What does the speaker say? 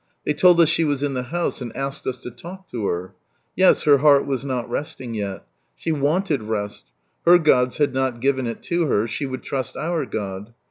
They told us she was in the house, and asked us to talk to her. Yes, her heart was not resting yet. She wanted rest. Her gods had not given it to her ; she would trust our God.